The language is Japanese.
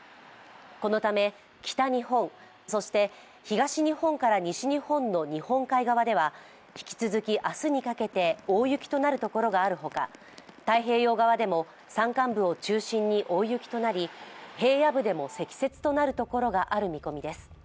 このため北日本、そして東日本から西日本の日本海側では引き続き明日にかけて大雪になるところがあるほか、太平洋側でも山間部を中心に大雪となり平野部でも積雪となる所がある見込みです。